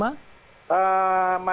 masih standby di sana